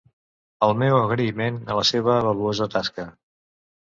El meu agraïment a la seua valuosa tasca.